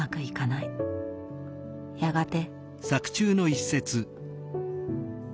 やがて。